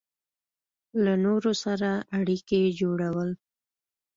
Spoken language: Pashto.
له نورو سره اړیکې جوړول